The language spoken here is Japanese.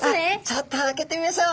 ちょっと開けてみましょう！